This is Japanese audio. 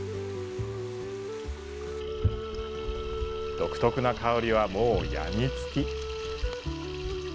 独特な香りは、もうやみつき。